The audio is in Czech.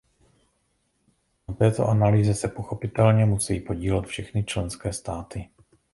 Na této analýze se pochopitelně musejí podílet všechny členské státy.